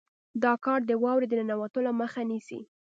دا کار د واورې د ننوتلو مخه نیسي